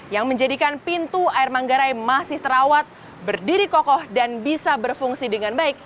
yang menjadikan pintu air manggarai masih terawat berdiri kokoh dan bisa berfungsi dengan baik